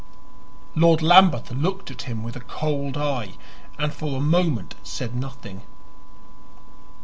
Lord Lambeth looked at him with a cold eye and for a moment said nothing.